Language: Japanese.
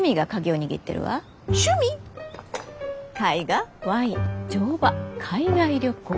絵画ワイン乗馬海外旅行盆栽。